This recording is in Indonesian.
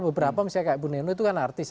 beberapa misalnya kayak ibu nenu itu kan artis